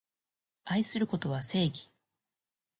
愛することは正義